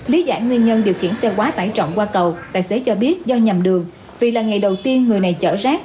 lý giải nguyên nhân điều khiển xe quá tải trọng qua cầu tài xế cho biết do nhầm đường vì là ngày đầu tiên người này chở rác